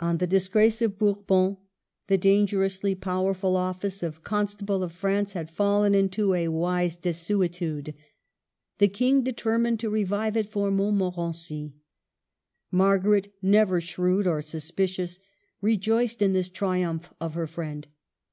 On the disgrace of Bour bon, the dangerously powerful office of Consta ble of France had fallen into a wise desuetude. The King determined to revive it for Montmo rency. Margaret, never shrewd or suspicious, rejoiced in this triumph of her friend.